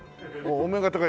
お目が高い。